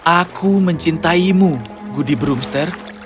aku mencintaimu guddi broomster